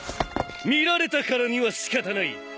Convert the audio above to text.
見られたからには仕方ない。